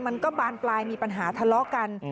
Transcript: มันก็บานปลายมีปัญหาทะเลาะกัน